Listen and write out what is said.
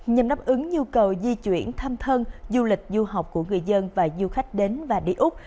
nhằm đáp ứng nhu cầu di chuyển thăm thân du lịch du học của người dân và du khách đến và đi úc